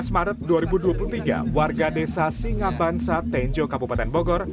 dua belas maret dua ribu dua puluh tiga warga desa singabansa tenjo kabupaten bogor